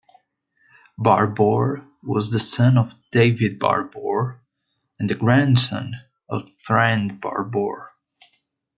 Barbour was the son of David Barbour and the grandson of Friend Barbour.